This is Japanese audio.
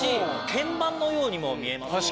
鍵盤のようにも見えますね。